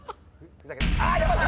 ふざけてる！